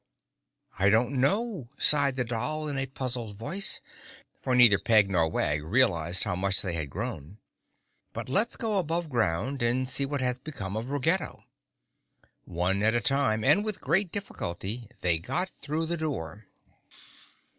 "I don't know," sighed the doll in a puzzled voice, for neither Peg nor Wag realized how much they had grown. "But let's go above ground and see what has become of Ruggedo." One at a time and with great difficulty they got through the door.